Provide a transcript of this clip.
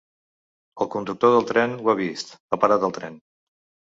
El conductor del tren, ho ha vist, ha parat el tren.